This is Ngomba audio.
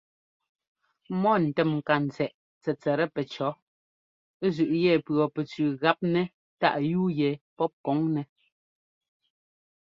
Mɔ ntɛ́mŋkatsɛꞌ tsɛtsɛt pɛcɔ̌ zʉꞌ yɛ pʉɔpɛtsʉʉ gap nɛ táꞌ yúu yɛ pɔ́p kɔŋnɛ́.